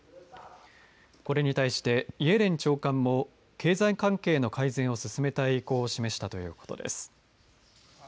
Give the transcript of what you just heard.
これに対してイエレン長官も経済関係の改善を進めたい意向を示したということです。